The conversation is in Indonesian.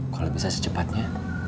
kalo bisa secepatnya